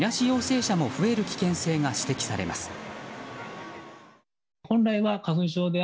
陽性者も増える危険性が指摘されます。